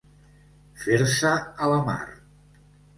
Fer-se a la mar.